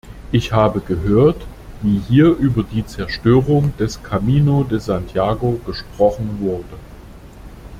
Ich habe gehört, wie hier über die Zerstörung des Camino de Santiago gesprochen wurde.